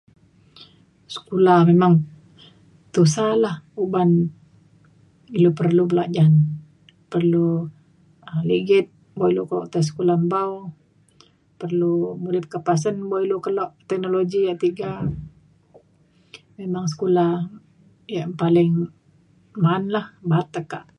sekula memang tusa la uban ilu perlu belajan perlu um ligit bo' le tai sekula empau perlu meli ke pasen bok lok teknologi ya' tiga. memang sekula ya' paling ma'an la ba'at tekak.